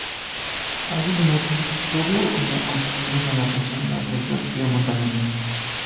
Asimismo tuvo como aficiones la natación, la aviación y el montañismo.